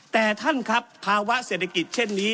แต่ท่านครับภาวะเศรษฐกิจเช่นนี้